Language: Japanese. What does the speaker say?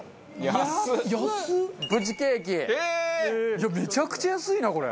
いやめちゃくちゃ安いなこれ！